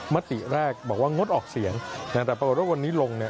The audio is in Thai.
มติแรกบอกว่างดออกเสียงนะแต่ปรากฏว่าวันนี้ลงเนี่ย